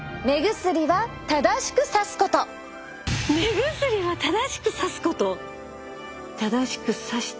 目薬は正しくさすこと？